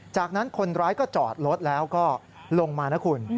จากนั้นคนร้ายก็จอดรถแล้วก็ลงมานะคุณ